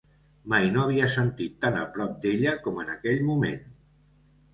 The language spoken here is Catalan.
Mai no havia sentit tant a prop d'ella com en aquell moment.